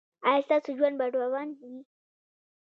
ایا ستاسو ژوند به روان وي؟